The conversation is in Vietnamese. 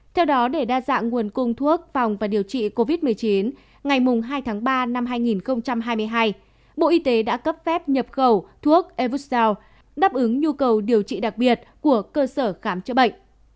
theo đó để đa dạng nguồn cung thuốc phòng và điều trị covid một mươi chín ngày hai tháng ba năm hai nghìn hai mươi hai bộ y tế đã cấp phép nhập khẩu thuốc evus sao đáp ứng nhu cầu điều trị đặc biệt của cơ sở khám chữa bệnh